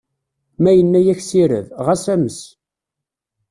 Ma yenna-yak ssired, ɣas ames!